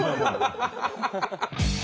ハハハハ！